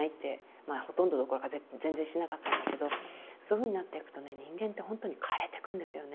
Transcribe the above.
まあほとんどどころか全然しなかったんだけどそういうふうになっていくとね人間って本当に枯れてくんですよね。